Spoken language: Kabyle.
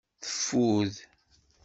Teffud.